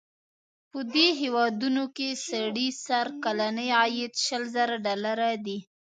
په دې هېوادونو کې د سړي سر کلنی عاید شل زره ډالره دی.